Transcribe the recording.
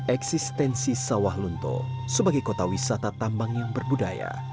eksistensi sawah lunto sebagai kota wisata tambang yang berbudaya